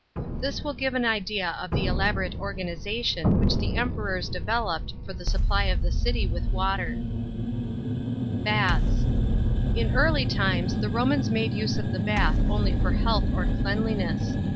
This will give an idea of the elaborate organisation which the Emperors developed for the supply of the city with water, f § 18. BATHS. — In early limes the Eomans made use of the bath only for health or cleanliness.